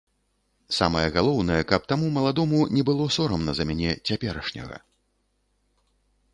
Самае галоўнае, каб таму маладому не было сорамна за мяне цяперашняга.